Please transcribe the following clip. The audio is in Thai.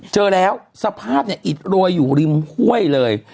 เจอแล้วสภาพเนี่ยอิดโรยอยู่ริมห้วยเลย